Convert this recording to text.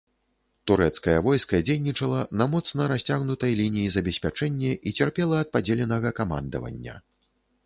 Турэцкае войска дзейнічала на моцна расцягнутай лініі забеспячэння і цярпела ад падзеленага камандавання.